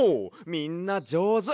みんなじょうず！